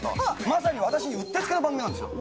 まさに私にうってつけの番組なんですよ。